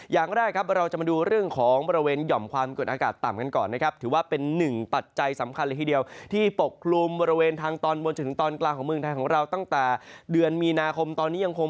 ยังคงปกกลุ่มต่อเนื่อง